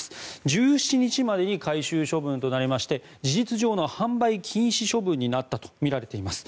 １７日までに回収処分となりまして事実上の販売禁止処分になったとみられています。